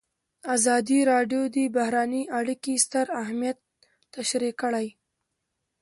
ازادي راډیو د بهرنۍ اړیکې ستر اهميت تشریح کړی.